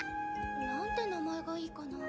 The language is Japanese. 何て名前がいいかなぁ。